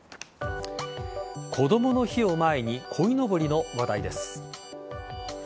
こどもの日を前にこいのぼりの話題です。